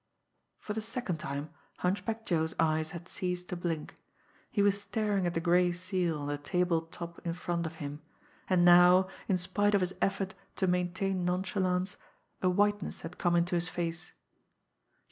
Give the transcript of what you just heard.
For the second time, Hunchback Joe's eyes had ceased to blink. He was staring at the gray seal on the table top in front of him, and now in spite of his effort to maintain nonchalance, a whiteness had come into his face.